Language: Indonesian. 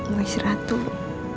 mau istirahat dulu